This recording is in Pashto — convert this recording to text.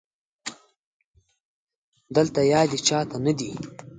دلته يادې چا ته نه دي